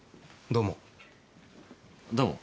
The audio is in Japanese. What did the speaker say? どうも。